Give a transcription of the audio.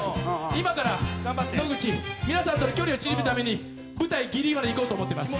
今から野口皆さんとの距離を縮めるために舞台ギリギリまで行こうと思ってます。